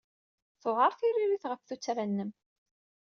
Tewɛeṛ tririt ɣef tuttra-nnem.